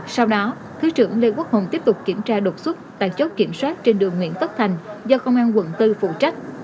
sau đó thứ trưởng lê quốc hùng tiếp tục kiểm tra đột xuất tại chốt kiểm soát trên đường nguyễn tất thành do công an quận bốn phụ trách